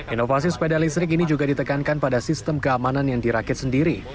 inovasi sepeda listrik ini juga ditekankan pada sistem keamanan yang dirakit sendiri